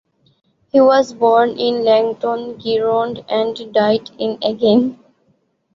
He was born in Langon, Gironde and died in Agen.